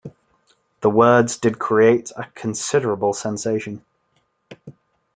The words did create a considerable sensation.